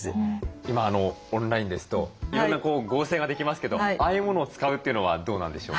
今オンラインですといろんな合成ができますけどああいうものを使うというのはどうなんでしょうか？